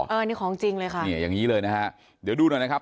อันนี้ของจริงเลยค่ะเนี่ยอย่างนี้เลยนะฮะเดี๋ยวดูหน่อยนะครับ